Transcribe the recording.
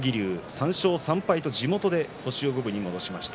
３勝３敗と地元で星を五分に戻しました。